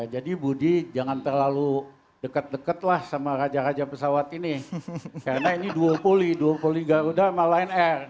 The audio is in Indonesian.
jadi budi jangan terlalu dekat dekat lah sama raja raja pesawat ini karena ini duo puli duo puli garuda sama line r